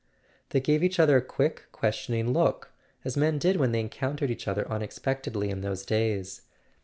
They gave each other a quick questioning look, as men did when they encountered each other unexpectedly in those days.